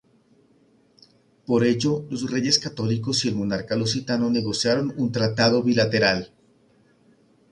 Por ello, los Reyes Católicos y el monarca lusitano negociaron un tratado bilateral.